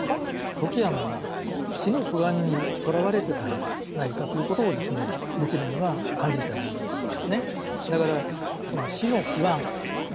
富木尼は死の不安にとらわれてたんじゃないかということを日蓮は感じてたんだと思いますね。